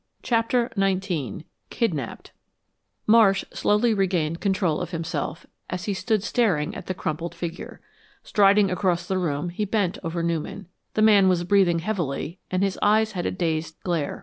CHAPTER XIX KIDNAPPED Marsh slowly regained control of himself as he stood staring at the crumpled figure. Striding across the room, he bent over Newman. The man was breathing heavily, and his eyes had a dazed glare.